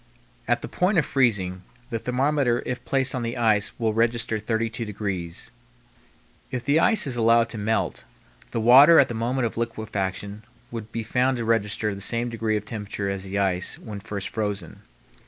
At the point of freezing, the thermometer if placed on the ice will register 32 degrees. If the ice is allowed to melt, the water at the moment of liquefaction would be found to register the same degree of temperature as the ice when first frozen.